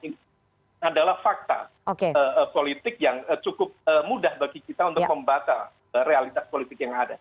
ini adalah fakta politik yang cukup mudah bagi kita untuk membaca realitas politik yang ada